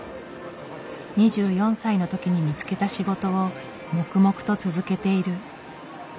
２４歳のときに見つけた仕事を黙々と続けている。